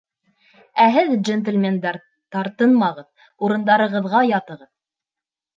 Ә һеҙ, джентльмендар, тартынмағыҙ, урындарығыҙға ятығыҙ.